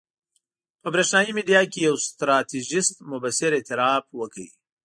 په برېښنایي میډیا کې یو ستراتیژیست مبصر اعتراف وکړ.